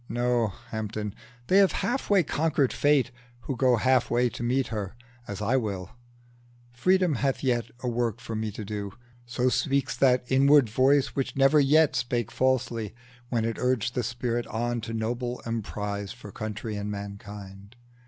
No, Hampden! they have half way conquered Fate Who go half way to meet her, as will I. Freedom hath yet a work for me to do; So speaks that inward voice which never yet Spake falsely, when it urged the spirit on To noble deeds for country and mankind.